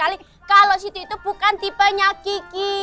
kali kalau situ itu bukan tipenya kiki